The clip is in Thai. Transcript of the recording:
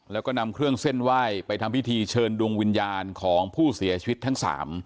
แล้วก็นำเครื่องเส้นไหว้ไปทำพิธีเชิญดวงวิญญาณของผู้เสียชีวิตทั้ง๓